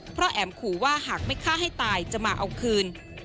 เพราะแอ๋มขู่ว่าหากไม่ฆ่าให้ตายจะมาเอาคืน